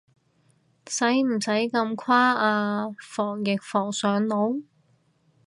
使唔使咁誇啊，防疫防上腦？